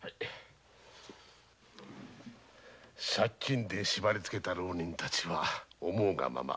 借金で縛りつけた浪人たちは思うがまま